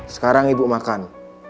sekarang ibu makan